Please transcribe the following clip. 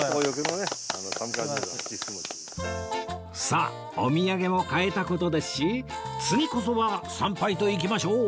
さあお土産も買えた事ですし次こそは参拝といきましょう